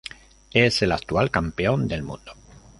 Es el actual campeón del mundo.